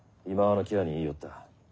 今際の際に言いよった。